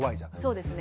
そうですね。